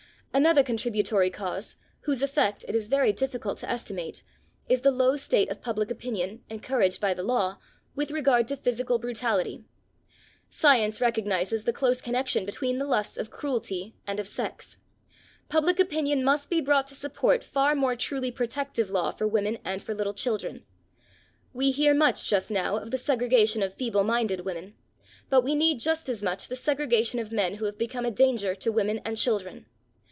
Another contributory cause, whose effect it is very difficult to estimate, is the low state of public opinion, encouraged by the law, with regard to physical brutality. Science recognises the close connection between the lusts of cruelty and of sex. Public opinion must be brought to support far more truly protective law for women and for little children. We hear much just now of the segregation of feeble minded women, but we need, just as much, the segregation of men who have become a danger to women and children.